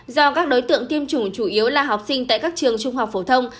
do các đối tượng tiêm chủng chủ yếu là học sinh tại các trường trung học phổ thông